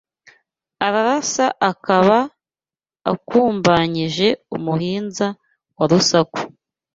Ararasa akaba akumbanyije Umuhinza wa Rusaku